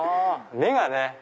目がね！